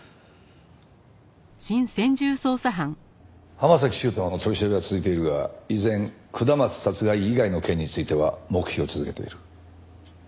浜崎修斗の取り調べは続いているが依然下松殺害以外の件については黙秘を続けている。